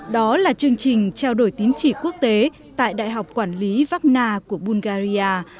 đó là chương trình trao đổi tín chỉ quốc tế tại đại học quản lý vác na của bulgaria